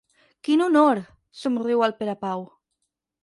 Quin honor! —somriu el Perepau.